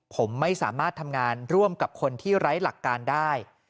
ผมไม่สามารถทำงานร่วมกับคนที่ไร้หลักการได้